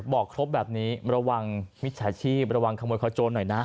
บอกครบแบบนี้ระวังมิจฉาชีพระวังขโมยขโจนหน่อยนะ